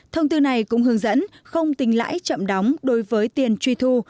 thông tư này cũng hướng dẫn không tính lãi chậm đóng đối với tiền truy thu